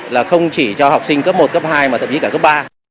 là không chỉ cho học sinh cấp một cấp hai mà thậm chí cả cấp ba